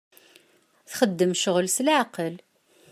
Txeddem ccɣel s leɛqel.